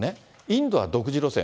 インドは独自路線。